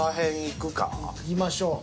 いきましょう。